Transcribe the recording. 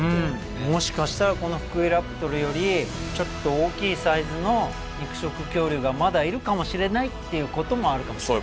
もしかしたらこのフクイラプトルよりちょっと大きいサイズの肉食恐竜がまだいるかもしれないっていうこともあるかもしれない。